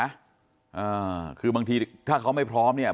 อ่าคือบางทีถ้าเขาไม่พร้อมเนี่ย